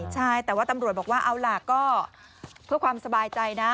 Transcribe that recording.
ใช่แต่ว่าตำรวจบอกว่าเอาล่ะก็เพื่อความสบายใจนะ